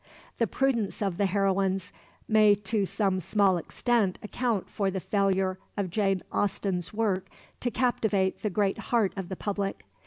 The prudence of the heroines may to some small extent account for the failure of Jane Austen's work to captivate the "great heart of the public."